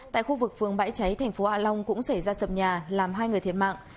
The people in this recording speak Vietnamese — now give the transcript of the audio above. tại khu vực phường bãi cháy thành phố hạ long cũng xảy ra sập nhà làm hai người thiệt mạng